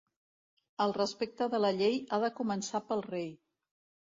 El respecte de la llei ha de començar pel rei.